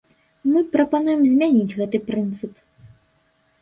Мы прапануем змяніць гэты прынцып.